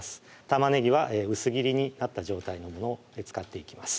玉ねぎは薄切りになった状態のものを使っていきます